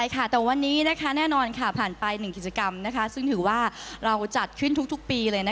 แต่วันนี้แน่นอนผ่านไป๑กิจกรรมซึ่งถือว่าเราจัดขึ้นทุกปีเลย